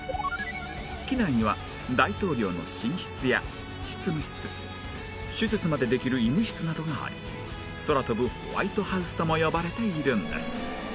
機内には大統領の寝室や執務室手術までできる医務室などがあり空飛ぶホワイトハウスとも呼ばれているんです